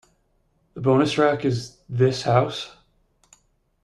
The bonus track Is This House?